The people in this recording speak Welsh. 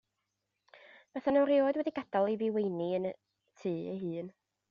Fysan nhw erioed wedi gadael i fi weini yn y tŷ ei hun.